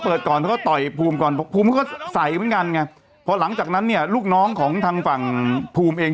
เหมือนกันไงเพราะหลังจากนั้นเนี่ยลูกน้องของทางฝั่งภูมิเอง